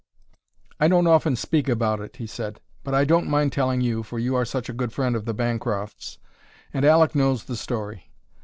"I don't often speak about it," he said, "but I don't mind telling you, for you are such a good friend of the Bancrofts, and Aleck knows the story.